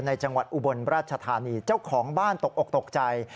จังหวัดอุบลราชธานีเจ้าของบ้านตกอกตกใจ